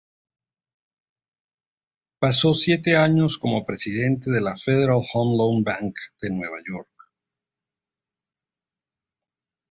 Pasó siete años como presidente de la Federal Home Loan Bank de Nueva York.